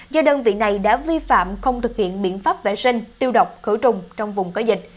do đơn vị này đã vi phạm không thực hiện biện pháp vệ sinh tiêu độc khử trùng trong vùng có dịch